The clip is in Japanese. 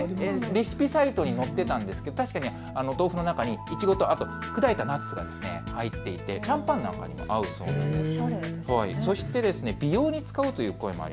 レシピサイトに載っていたんですが豆腐の中にいちごと砕いたナッツが入っていてシャンパンなんかに合うそうです。